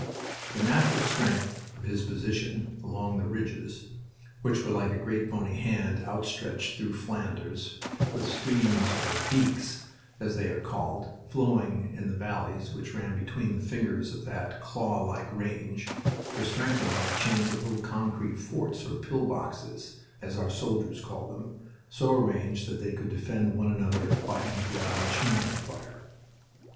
The natural strength of his position along the ridges, which were like a great bony hand outstretched through Flanders, with streams or "beeks," as they are called, flowing in the valleys which ran between the fingers of that clawlike range, were strengthened by chains of little concrete forts or "pill boxes," as our soldiers called them, so arranged that they could defend one another by enfilade machine gun fire.